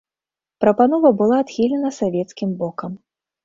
Прапанова была адхілена савецкім бокам.